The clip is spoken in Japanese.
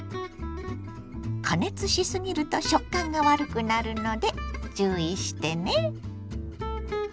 加熱しすぎると食感が悪くなるので注意してね。